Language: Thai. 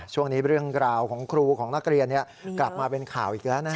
เรื่องราวของครูของนักเรียนกลับมาเป็นข่าวอีกแล้วนะฮะ